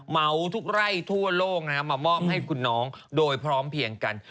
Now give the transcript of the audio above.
เมาทุกไร่ทั่วโลกมามอบให้คุณน้องโดยพร้อมเพียงกัน